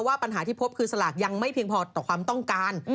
ปัญหาที่พบคือสลากยังไม่เพียงพอต่อความต้องการ